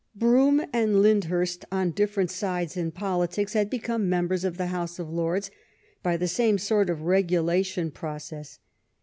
Brougham and Lyndhurst, on different sides in politics, had become members of the House of Lords by the same sort of regulation process.